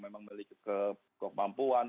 memang memiliki kemampuan